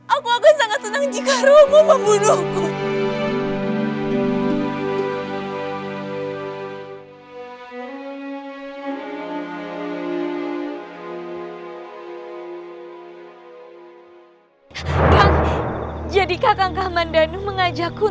aku akan sangat senang jika romo membunuhku